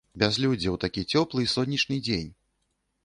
Бязлюддзе ў такі цёплы і сонечны дзень!